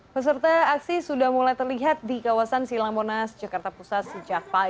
peserta aksi sudah mulai terlihat di kawasan silang monas jakarta pusat sejak pagi